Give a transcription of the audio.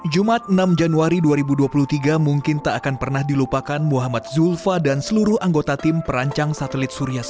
jumat enam januari dua ribu dua puluh tiga mungkin tak akan pernah dilupakan muhammad zulfa dan seluruh anggota tim perancang satelit surya